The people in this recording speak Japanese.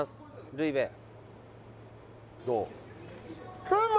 ルイベどう？